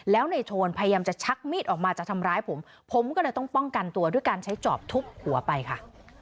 แล้วในโทนพยายามจะชักมีดออกมาจะทำร้ายผมผมก็เลยต้องป้องกันตัวด้วยการใช้จอบทุบหัวไปค่ะ